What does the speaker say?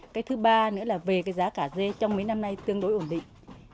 cái thứ ba nữa là về cái giá cả dê trong mấy năm nay tương đối ổn định